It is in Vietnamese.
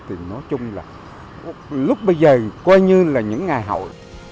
thì nói chung là lúc bây giờ coi như là những ngày hội